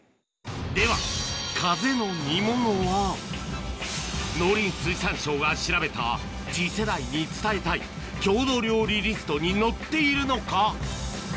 ではカゼの煮物は農林水産省が調べた次世代に伝えたい郷土料理リストに載っているのか？